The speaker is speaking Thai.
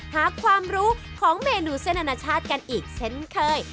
หาความรู้ของเมนูเส้นอนาชาติกันอีกเช่นเคย